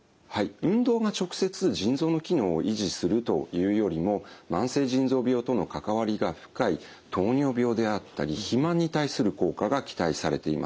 運動が直接腎臓の機能を維持するというよりも慢性腎臓病との関わりが深い糖尿病であったり肥満に対する効果が期待されています。